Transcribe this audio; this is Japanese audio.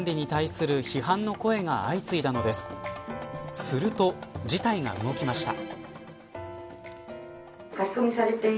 すると、事態が動きました。